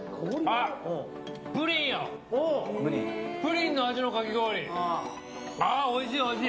ああ、おいしい、おいしい！